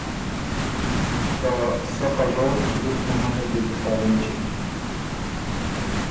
که سۀ خه ژون زُت مهمنی ل دی بو تر اېنچِم۔